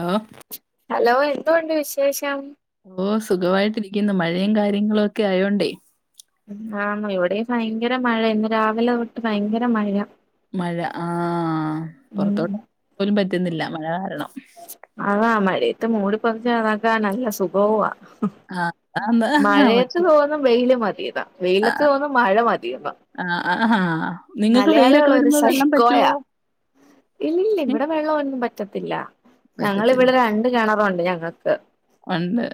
ഹാ ഹലോ എന്തൊണ്ട് വിശേഷം ഓ സുഖമായിട്ടിരിക്കുന്നു മഴയും കാര്യങ്ങളും ഒക്കെ ആയോണ്ടേ ആണ് ഇവിടെയും ഭയങ്കര മഴയാ ഇന്ന് രാവിലെ തൊട്ട് ഭയങ്കര മഴയാ മഴ ആഹ ഉം പുറത്തോട്ട് പോകാൻ പോലും പറ്റുന്നില്ല മഴ കാരണം ആഹ് മഴയത്ത് മൂടി പൊതച്ച് കിടക്കാൻ നല്ല സുഖവാ ആ അതാന്ന് മഴയത്ത് പക്ഷെ തോന്നുന്ന വെയില് മതിയെന്ന ആ വെയിലത്ത് തോന്നുന്നു മഴ മതിയന്ന് ആ ആ. നിങ്ങക്ക് മലയാളികൾ വെയിലൊക്കെ ഒരു വരുമ്പോ വെള്ളം സൈക്കോയാ പറ്റുവോ ഇല്ല ഇല്ല ഏ, ഇവിടെ വെള്ളം ഒന്നും പറ്റത്തില്ല പറ്റത്തില്ല ഞങ്ങക്കിവിടെ രണ്ട് കിണറുണ്ട് ഞങ്ങൾക്ക് ആഹ് ഉണ്ട്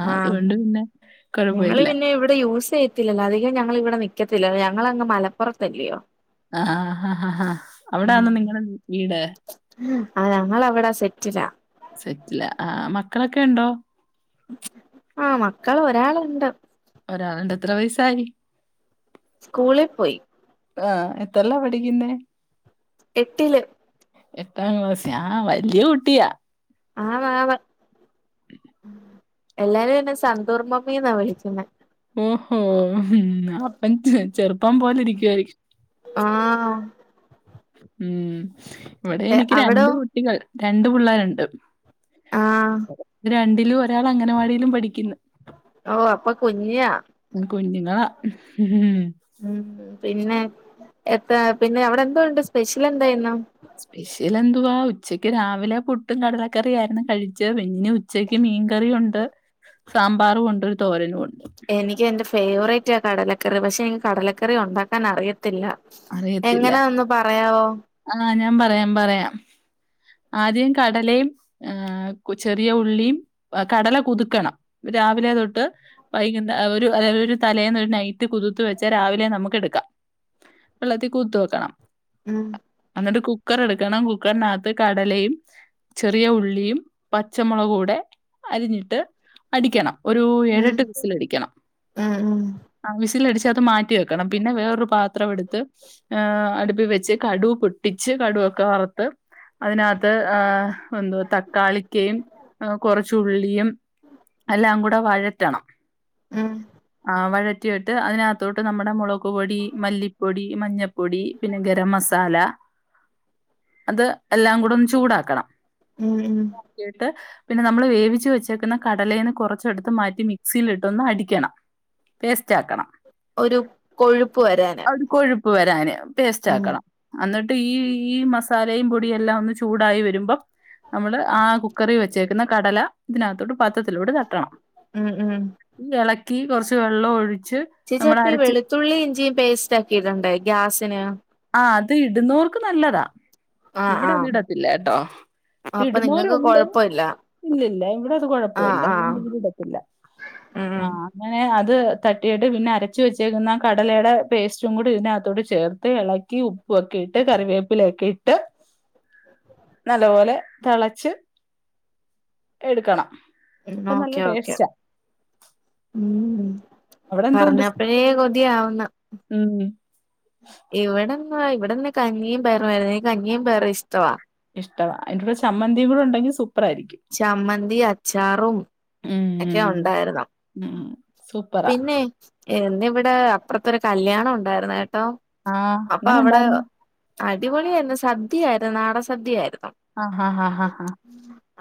ആഹ് അതുകൊണ്ട് പിന്നെ ഞങ്ങള് കുഴപ്പമില്ല പിന്നെ ഇവിടെ യൂസ് ചെയ്യത്തില്ലല്ലോ അധികം ഞങ്ങൾ ഇവിടെ നിക്കത്തില്ലല്ലോ ഞങ്ങളങ്ങ് മലപ്പുറത്തല്ലയോ ആഹ ഹാ ഹാ ഹാ അവിടാണോ നിങ്ങടെ വീട് അഹ് ഞങ്ങൾ അവിടാ സെറ്റിലാ സെറ്റില്ല ആഹ മക്കളൊക്കെ ഉണ്ടോ ആഹ മക്കൾ ഒരാളുണ്ട് ഒരാളണ്ട് എത്ര വയസായി സ്കൂളിൽ പോയി ആഹ എത്രയിലാ പഠിക്കുന്നേ എട്ടില് എട്ടാം ക്ലാസ് ആ വലിയ കുട്ടിയാ ആണ് ആണ് എല്ലാരും എന്നെ സന്തൂർമ്മമ്മിന്നാ വിളിക്കുന്നത് ഓഹോ അപ്പം ചെറുപ്പം പോലെ ഇരിക്കുവായിരിക്കും ആഹ് ഉം ഇവിടെ എനിക്ക് അവിടോ രണ്ട് കുട്ടികൾ രണ്ട് പിള്ളേരുണ്ട് ആഹ് രണ്ടിലും ഒരാൾ അംഗനവാടിയിലും പഠിക്കുന്നു ഓ അപ്പൊ കുഞ്ഞാ കുഞ്ഞുങ്ങളാ ഉം പിന്നെ എത്ര പിന്നെ അവിടെ എന്തോ ഉണ്ട് സ്പെഷ്യൽ എന്താ ഇന്ന് സ്പെഷ്യൽ എന്തുവാ ഉച്ചക്ക് രാവിലെ പുട്ടും കടലക്കറി ആയിരുന്നു കഴിച്ച് പിന്നെ ഉ ഉച്ചക്ക് മീൻകറി ഉണ്ട് സാമ്പാറും ഉണ്ട് ഒരു തോരനും ഉണ്ട് എനിക്ക് എന്റെ ഫേവറേറ്റാ കടലക്കറി പക്ഷെ എനിക്ക് കടലക്കറി ഉണ്ടാക്കാൻ അറിയത്തില്ല ത്തില്ല അറിയത്തില്ല. എങ്ങനാ ഒന്ന് പറയാവോ ആ ഞാൻ പറയാം പറയാം ആദ്യം കടലയും ഏ ചെറിയ ഉള്ളിയും കടല കുതുക്കണം രാവിലെ തൊട്ട് വൈകുന്ന ഒരു ഒരു തലേന്ന് ഒരു നൈറ്റ് കുതുത്ത് വെച്ചാ രാവിലെ നമുക്ക് എടുക്കാം വെള്ളത്തിൽ കുത് ത്ത് വെക്കണം ഉം അന്നിട്ട് കുക്കർ എടുക്കണം കുക്കറിനകത്ത് കടലയും ചെറിയ ഉള്ളിയും പച്ചമുളകൂടെ അരിഞ്ഞിട്ട് അടിക്കണം ഒരു ഉം ഏഴെട്ട് വിസിലടിക്കണം ഉം ഉം ആ വിസിലടിച്ച് അത് മാറ്റി വെക്കണം പിന്നെ വേറൊരു പാത്രം എടുത്ത് ഏ അടുപ്പി വെച്ച് കടു പൊട്ടിച്ച് കടുവൊക്കെ വറുത്ത് അതിനാത്ത് ആ എന്തോ തക്കാളിക്കയും കുറച്ചുള്ളിയും എല്ലാം കൂടെ വഴറ്റണം ഉം ആ വഴറ്റിട്ട് അതിനകത്തോട്ട് നമ്മുടെ മുളക് പൊടി മല്ലിപ്പൊടി മഞ്ഞപ്പൊടി പിന്നെ ഗരം മസാല അത് എല്ലാം കൂടെ ഒന്ന് ചൂടാക്കണം ഉം ട്ട് പിന്നെ നമ്മള് വേവിച്ച് വെച്ചേക്കുന്ന കടലേനെ കുറച്ചെടുത്ത് മാറ്റി മിക്സിൽ ഇട്ട് ഒന്ന് അടിക്കണം പേസ്റ്റ് ആക്കണം ഒരു കൊഴുപ്പ് വരാനാ ഒരു വരാന് പേസ്റ്റ് ആക്കണം അന്നിട്ട് ഈ ഈ മസാലയും പൊടിയും എല്ലാം ഒന്ന് ചൂടായി വരുമ്പം നമ്മള് ആ കുക്കറിൽ വെച്ചേക്കുന്ന കടല ഇതിനകത്തോട്ട് പാത്രത്തിലോട്ട് ത ട്ടണം ഉം ഉം എളക്കി കൊർച്ച് വെള്ളഒഴിച്ച് നമ്മള് അരച്ച് ളുതുള്ളി ഇഞ്ചിയും പേസ്റ്റ് ആക്കിയിടണ്ടേ ഗ്യാസിന് ആ അത് ഇടുന്നോർക്ക് നല്ലതാ ആഹ് ഇവിടെ ആഹ് അതിടത്തില്ലേ ട്ടോ അപ്പൊ നിങ്ങക്ക് ഇടുന്നൊരുണ്ട് കൊഴപ്പല്ല ഇല്ലില്ല ഇവിടെ അത് ആഹ് കൊഴപ്പല്ല ആഹ് ഇവര് ഇടത്തില്ല ഉം ആഹ് അങ്ങനെ അത് തട്ടിയിട്ട് പിന്നെ അരച്ച് വെച്ചേക്കുന്ന കടലയുടെ പേസ്റ്റും കൂടെ ഇതിനകത്തോട്ട് ചേർക്കും ത്ത് എളക്കി ഉപ്പു ഒക്കെ ഇട്ട് കറിവേപ്പിലൊക്കെ ഇട്ട് നല്ലപോലെ തെളച്ച് എടുക്കണം ഉം അപ്പം നല്ല ഓക്കെ ഓക്കെ ടേസ്റ്റാ ഉം അവിടെ എന്തുകൊണ്ട് പറഞ്ഞപ്പഴേ കൊതിയാവുന്ന് ഉം ഇവടന്ന് ഇവടെന്ന് കഞ്ഞിയും പയറും ആരുന്നു എനിക്ക് കഞ്ഞിയും പയറും ഇഷ്ടവാ ഇഷ്ടവാ അഴിന്റെ കൂടെ ചമ്മന്തിയും കൂടെ ഉണ്ടെങ്കിൽ സൂപ്പർ ആയിരിക്കും ചമ്മന്തി അച്ചാറും ഒക്കെ ഉം ഉണ്ടായിരുന്നു ഉം സൂപ്പറാ പിന്നെ ഇന്നിവിടെ അപ്പർത്തൊരു കല്യാണം ഉണ്ടായിരുന്നു കേട്ടോ ആ അപ്പൊ അങ്ങനെ അവടെ ഉണ്ടായിരുന്നു അടിപൊളിയായിരുന്നു സദ്യയായിരുന്നു നാടൻ സദ്യയായിരുന്നു ആഹ ഹ ആാ ആാ ഹ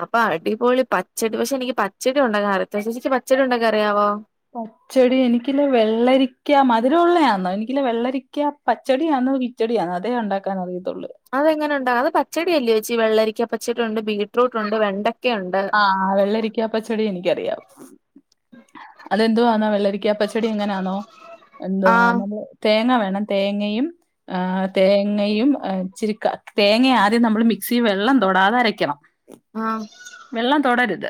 അപ്പൊ അടിപൊളി പച്ചടി പക്ഷെ എനിക്ക് പച്ചടി ഉണ്ടാക്കാൻ [unintelligible] പച്ചടി ഉണ്ടാക്കാ അറിയാവോ ഓഹ് [inaudible] ച്ചടി എനിക്കില് വെള്ളരിക്ക മധുരമുള്ളയാന്നോ എനിക്കില് വെള്ളരിക്ക പച്ചടിയാന്ന് ച്ചടിയാ അതേ ഉണ്ടാക്കാൻ അറിയത്തുള്ളൂ അതെങ്ങനെ ഉണ്ടാ അത് പച്ചടിയല്ലേ ചോച്ചി വെള്ളരിക്ക പച്ചടി ഉണ്ട് ബീറ്റ്റൂട്ട് ഉണ്ട് വെണ്ടക്കെണ്ട് ആ വെള്ളരിക്കാ പച്ചടി എനിക്കറിയാം അതെന്തുവാന്ന ആ വെള്ളരിക്കാ പച്ച ച്ചടി എങ്ങനെയാന്നൊ എന്തുവാ ആഹ് നമ്മള് തേങ്ങ വേണം തേങ്ങയും ആ തേങ്ങയും ഇച്ചിരി തേങ്ങ ആദ്യം നമ്മള് മിക്സി വെള്ളം തൊടാതെ അരയ്ക്കണം ആഹ് വെള്ളം തൊടരുത്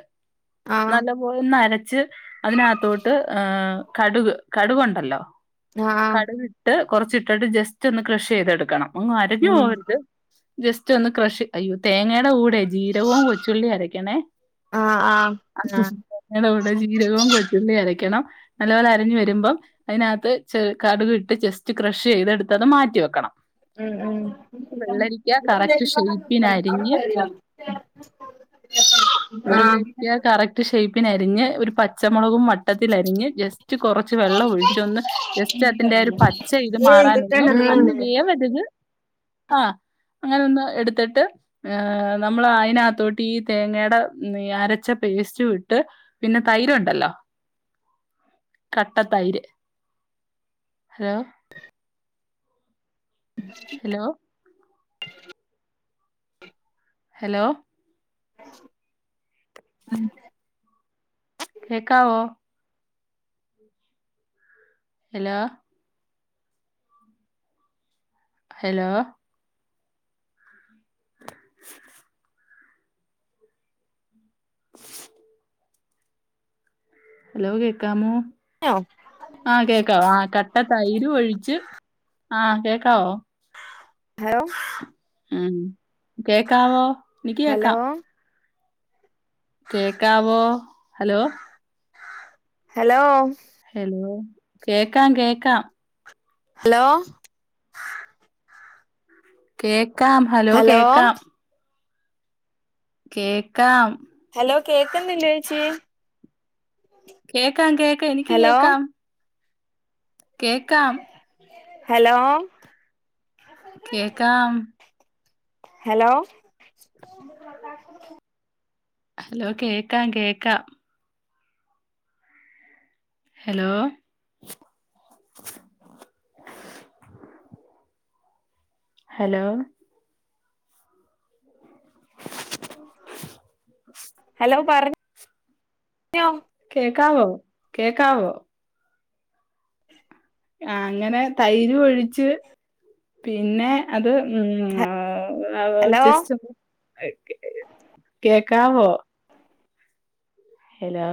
ആഹ് നല്ലം ഒന്ന് അരച്ച് അതിനകത്തോട്ട് കടുക് കടുകുണ്ടല്ലോ ആഹ് കടുവിട്ട് കൊർച്ചിട്ടിട്ട് ജസ്റ്റ് ഒന്ന് ക്രഷ് ചെയ്തെടുക്കണം അങ്ങും അരഞ്ഞു ഉം പോകരുത് ജസ്റ്റ് ഒന്ന് ക്രഷ് അയ്യോ തേങ്ങയുടെ കൂടെ ജീരവും കൊച്ചുള്ളിയും അര ക്കണേ ആഹ് ആഹ് ആ തേങ്ങയുടെ ജീരകവും കൊച്ചുള്ളി അരക്കണം നല്ലപോലെ അരഞ് വരുമ്പം അഴിനകത്ത് ച കടുക് ഇട്ട് ജസ്റ്റ് ക്രഷ് ചെയ്തെടുത്തത് മാറ്റി വെക്കണം ഉം ഉം വെള്ളരിക്ക കറക്റ്റ് ഷേപ്പിനരിഞ്ഞ് [unintelligible] ആഹ് വെള്ളരിക്ക കറക്റ്റ് ഷൈപ്പിന് അരിഞ്ഞ് ഒരു പച്ചമുളകും വട്ടത്തിലരിഞ്ഞ് ജസ്റ്റ് കൊറച്ച് വെള്ളം ഒഴിച്ചൊന്ന് ജസ്റ്റ് അതിന്റെ ഒരു പച്ച ഇത് മാറാനൊന്നു ഒന്നു ഉം വേവരുത് ആ അങ്ങനെന്ന് എടുത്തിട്ട് നമ്മള് അയിനകത്തോ ഈ തേങ്ങെടെ അരച്ച പേസ്റ്റു ഇട്ട് പിന്നെ തൈര് ഉണ്ടല്ലോ കട്ട തൈര് ഹലോ ഹലോ ഹലോ ഉം കേക്കാവോ ഹലോ ഹലോ ഹലോ കേക്കാമോ [inaudible] ആ കേക്കാവോ ആ കട്ട തൈരു ഒഴിച്ച് ആ കേക്കാവോ ഹലോ ഉം, കേക്കാവോ? എനിക്ക് ഹലോ കേക്കാം കേക്കാവോ ഹലോ? ഹലോ ഹലോ കേക്കാം, കേക്കാം ഹലോ കേക്കാം, ഹലോ കേൾക്കാം കേൾക്കാം ഹലോ കേക്കന്നില്ല ചേച്ചി? കേക്കാം കേക്കാം, എനിക്ക് ഹലോ കേക്കാം കേക്കാം ഹലോ കേക്കാം ഹലോ ഹലോ കേക്കാം കേക്കാം ഹലോ ഹലോ ഹലോ പറ കേക്കാവോ, കേക്കാവോ? ആഹ്, അങ്ങനെ തൈര് ഒഴിച്ച് പിന്നെ അത് ഉം അ ഹലോ ജസ്റ്റ് കേക്കാവോ ഹലോ